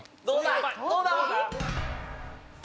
どうだ？